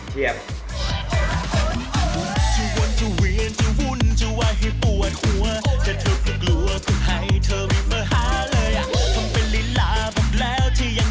จนตามในกลวนใจจนแน่นอนแน่นอน